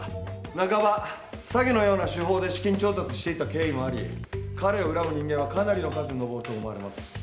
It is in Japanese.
半ば詐欺のような手法で資金調達していた経緯もあり彼を恨む人間はかなりの数に上ると思われます。